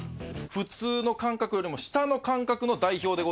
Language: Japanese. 普通の感覚よりも下の感覚の代表でございます。